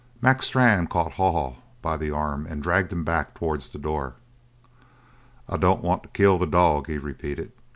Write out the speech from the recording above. Mac Strann caught Haw Haw by the arm and dragged him back towards the door. "I don't want to kill the dog," he repeated.